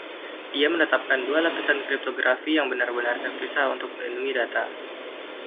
Ia menetapkan dua lapisan kriptografi yang benar-benar terpisah untuk melindungi data.